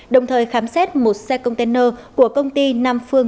đồng thời khám xét một xe container của công ty nam phương